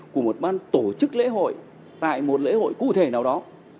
của một ban tổ chức lễ hội tại một lễ hội cụ thể nào đó